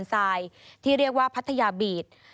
สวัสดีค่ะสวัสดีค่ะ